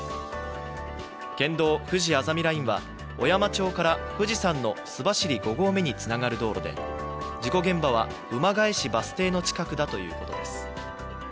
県道ふじあざみラインは小山町から富士山の須走五合目につながる道路で、事故現場は馬返しバス停の近くだということです。